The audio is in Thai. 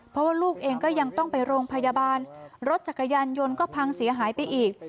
เพราะว่าลูกเองก็ยังต้องไปโรงพยาบาลรถจักรยานยนต์ก็พังเสียหายไปอีก